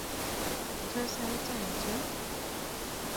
Tos aee chaichu?